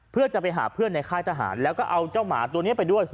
เพื่อจะไปหาเพื่อนในค่ายทหารแล้วก็เอาเจ้าหมาตัวนี้ไปด้วย